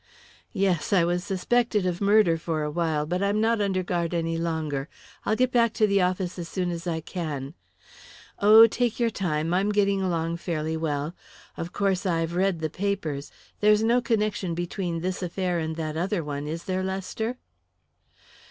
"Yes, I was suspected of murder for a while, but I'm not under guard any longer. I'll get back to the office as soon as I can." "Oh, take your time I'm getting along fairly well. Of course I've read the papers there's no connection between this affair and that other one, is there, Lester?"